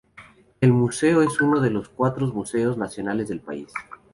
El Museo es uno de los cuatro museos nacionales del país.